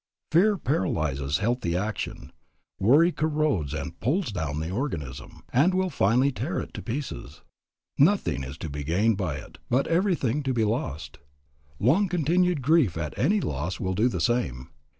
Fear paralyzes healthy action, worry corrodes and pulls down the organism, and will finally tear it to pieces. Nothing is to be gained by it, but everything to be lost. Long continued grief at any loss will do the same.